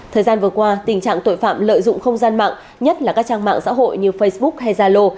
thời gian vừa qua tình trạng tội phạm lợi dụng không gian mạng nhất là các trang mạng xã hội như facebook hay zalo